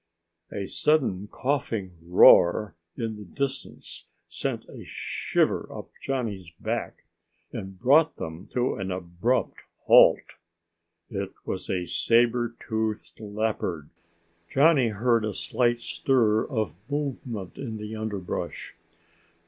A sudden coughing roar in the distance sent a shiver up Johnny's back and brought them to an abrupt halt. It was a saber tooth leopard! Johnny heard a slight stir of movement in the underbrush.